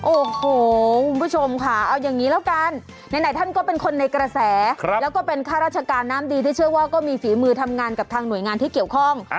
โอ้โหคุณผู้ชมค่ะเอาอย่างนี้แล้วกันไหนท่านก็เป็นคนในกระแสแล้วก็เป็นข้าราชการน้ำดีที่เชื่อว่าก็มีฝีมือทำงานกับทางหน่วยงานที่เกี่ยวข้อง